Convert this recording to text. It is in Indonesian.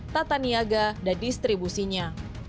tata niaga dan distribusinya